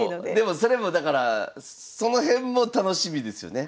それもだからその辺も楽しみですよね。